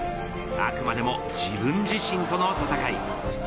あくまでも自分自身との戦い。